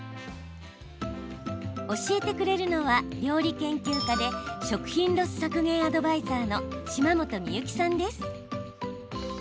教えてくれるのは料理研究家で食品ロス削減アドバイザーの島本美由紀さんです。